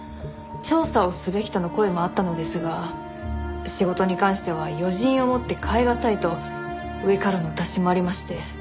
調査をすべきとの声もあったのですが仕事に関しては余人をもって代えがたいと上からのお達しもありまして。